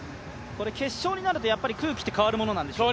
決勝になると空気って変わるものなんですか。